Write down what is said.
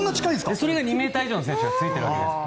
それが２ｍ以上の選手がついてるわけです。